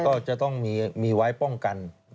ก็จะต้องมีไว้ป้องกัน